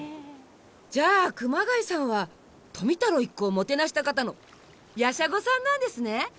じゃあ熊谷さんは富太郎一行をもてなした方のやしゃごさんなんですね！